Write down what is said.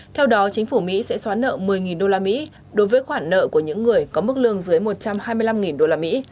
theo đó chính phủ mỹ sẽ xóa nợ một mươi đô la mỹ đối với khoản nợ của những người có mức lương dưới một trăm hai mươi năm đô la mỹ